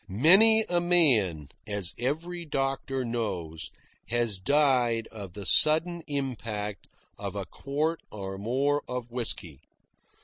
Many a man, as every doctor knows, has died of the sudden impact of a quart or more of whisky.